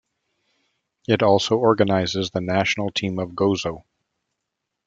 It also organises the national team of Gozo.